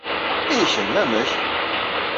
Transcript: I kemm, amek?